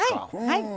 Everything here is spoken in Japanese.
はい。